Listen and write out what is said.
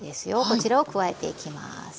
こちらを加えていきます。